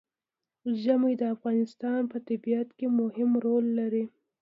ژمی د افغانستان په طبیعت کې مهم رول لري.